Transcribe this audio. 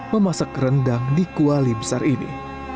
memasak rendang di kuali besar ini